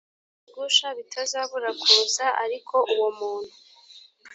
ibyo bigusha bitazabura kuza ariko uwo muntu